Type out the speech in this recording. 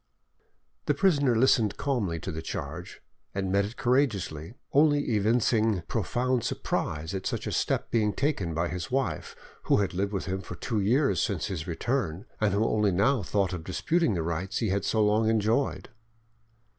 The prisoner listened calmly to the charge, and met it courageously, only evincing profound surprise at such a step being taken by a wife who had lived with him for two years since his return, and who only now thought of disputing the rights he had so long enjoyed.